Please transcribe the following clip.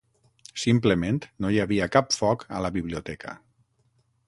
Simplement no hi havia cap foc a la biblioteca.